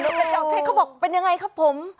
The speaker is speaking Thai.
นกกระจอกเทศเค้าบอกเป็นยังไงครับผม